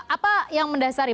apa yang mendasari